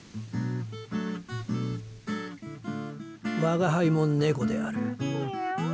吾輩も猫である。